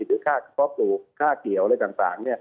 หรือค่าเพาะปลูกค่าเกี่ยวอะไรต่าง